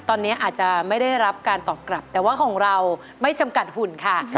ตอนนี้อาจจะไม่ได้รับการตอบกลับแต่ว่าของเราไม่จำกัดหุ่นค่ะ